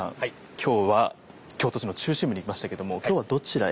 今日は京都市の中心部に来ましたけども今日はどちらへ？